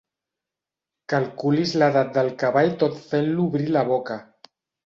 Calculis l'edat del cavall tot fent-lo obrir la boca.